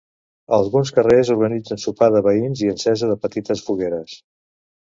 Alguns carrers organitzen sopar de veïns i encesa de petites fogueres.